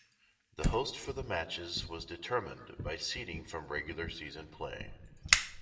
The host for the matches was determined by seeding from regular season play.